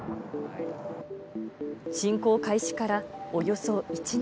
侵攻開始からおよそ１年。